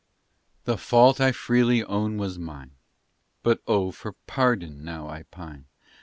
The fault I freely own was mine. But oh, for pardon now I pine!